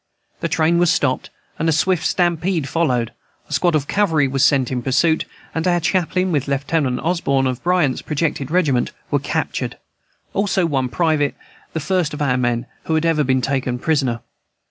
The train was stopped and a swift stampede followed; a squad of cavalry was sent in pursuit, and our chaplain, with Lieutenant Osborn, of Bryant's projected regiment, were captured; also one private, the first of our men who had ever been taken prisoners.